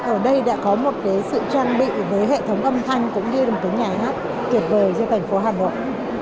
ở đây đã có một sự trang bị với hệ thống âm thanh cũng như là một cái nhà hát tuyệt vời cho thành phố hà nội